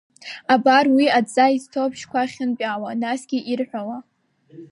Абар уи адҵа изҭо абжьқәа ахьынтәаауа, насгьы ирҳәауа…